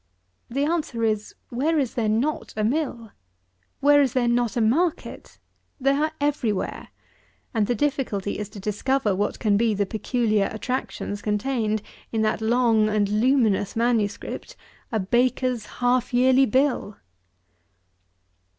The answer is, Where is there not a mill? where is there not a market? They are every where, and the difficulty is to discover what can be the particular attractions contained in that long and luminous manuscript, a baker's half yearly bill.